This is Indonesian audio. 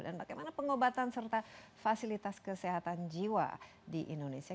dan bagaimana pengobatan serta fasilitas kesehatan jiwa di indonesia